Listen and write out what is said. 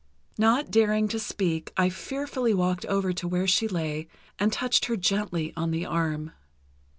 Not daring to speak I fearfully walked over to where she lay and touched her gently on the arm.